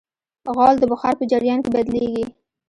غول د بخار په جریان کې بدلېږي.